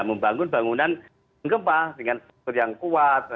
membangun bangunan gempa dengan struktur yang kuat